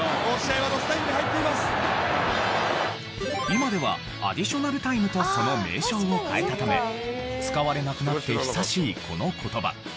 今ではアディショナルタイムとその名称を変えたため使われなくなって久しいこの言葉。